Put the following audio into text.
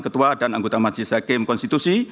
ketua dan anggota masjid zahid km konstitusi